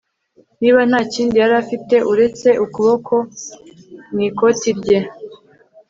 niba nta kindi yari afite uretse ukuboko mu ikoti rye